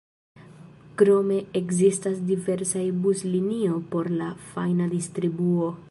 Krome ekzistas diversaj buslinio por la fajna distribuo.